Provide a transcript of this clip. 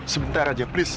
sebentar aja please